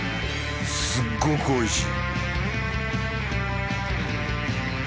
すっごくおいしい！